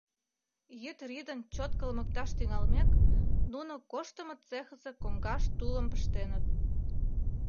Йӱд рӱдын чот кылмыкташ тӱҥалмек, нуно коштымо цехысе коҥгаш тулым пыштеныт.